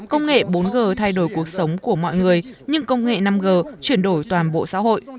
công nghệ bốn g thay đổi cuộc sống của mọi người nhưng công nghệ năm g chuyển đổi toàn bộ xã hội